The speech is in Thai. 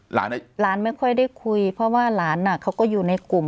หลานไม่ค่อยได้คุยเพราะว่าหลานเขาก็อยู่ในกลุ่ม